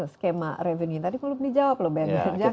skema revenue tadi belum dijawab loh bni